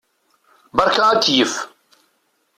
Beṛka akeyyef.